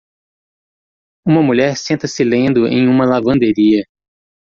Uma mulher senta-se lendo em uma lavanderia